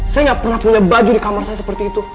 saya nggak pernah punya baju di kamar saya seperti itu